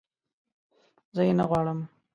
زه یې نه غواړم